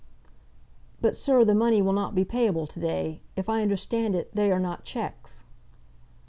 "But, sir, the money will not be payable to day. If I understand it, they are not cheques."